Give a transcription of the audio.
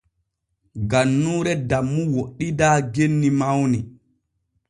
Gannuure Dammu woɗɗidaa genni mawni.